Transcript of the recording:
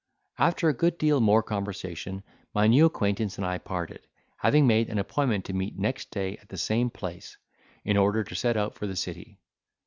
After a good deal more conversation, my new acquaintance and I parted, having made an appointment to meet next day at the same place; in order to set out for the city.